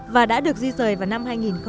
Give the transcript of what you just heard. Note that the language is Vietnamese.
và đã được di rời vào năm hai nghìn một mươi